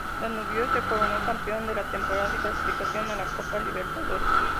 Danubio se coronó campeón de la temporada y clasificaron a la Copa Libertadores.